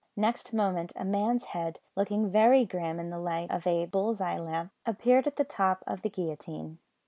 Next moment a man's head, looking very grim in the light of a bull's eye lamp, appeared at the top of the guillotine.